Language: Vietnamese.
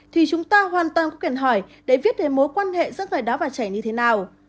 thì chúng ta hoàn toàn có quyền hỏi để viết về mối quan hệ giữa người đá và trẻ như thế nào